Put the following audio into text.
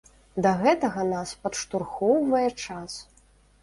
Да гэтага нас падштурхоўвае час.